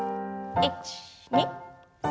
１２。